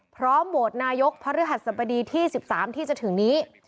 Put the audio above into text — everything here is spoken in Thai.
โหวตนายกพระฤหัสสบดีที่๑๓ที่จะถึงนี้